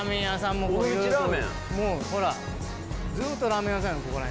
もうほらずっとラーメン屋さんやここら辺。